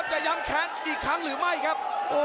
เจอสองขวาเลยครับ